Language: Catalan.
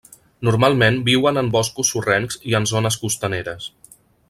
Normalment viuen en boscos sorrencs i en zones costaneres.